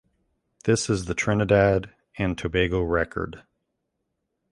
This is the Trinidad and Tobago record.